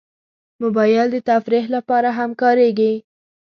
موبایل د تفریح لپاره هم کارېږي.